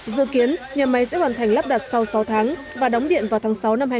dự kiến nhà máy sẽ hoàn thành lắp đặt sau sáu tháng và đóng điện vào tháng sáu năm hai nghìn hai mươi